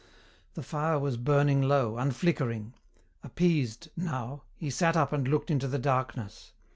The fire was burning low, unflickering. Appeased, now, he sat up and looked into the darkness.